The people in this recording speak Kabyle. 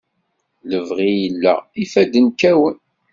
Lebɣi yella, ifadden kkawen.